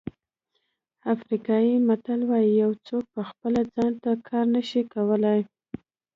افریقایي متل وایي یو څوک په خپله ځان ته کار نه شي کولای.